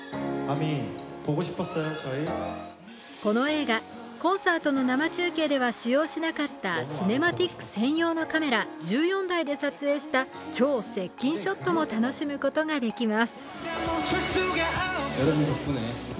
この映画、コンサートの生中継では使用しなかったシネマティック専用のカメラ１４台で撮影した超接近ショットも楽しむことができます。